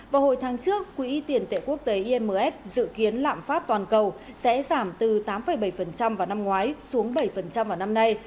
vào hồi tháng trước quỹ tiền tệ quốc tế imf dự kiến lạm phát toàn cầu sẽ giảm từ tám bảy vào năm ngoái xuống bảy vào năm nay